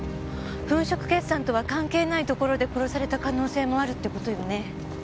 粉飾決算とは関係ないところで殺された可能性もあるって事よね。